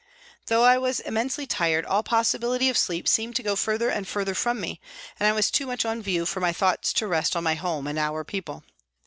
Though I was immensely tired, all possibility of sleep seemed to go further and further from me, and I was too much on view for my thoughts to rest on my home and our people.